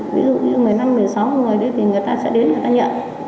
ví dụ như một mươi năm một mươi sáu người đấy thì người ta sẽ đến người ta nhận